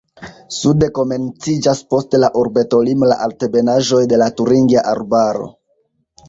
Sude komenciĝas post la urbetolimo la altebenaĵoj de la Turingia Arbaro.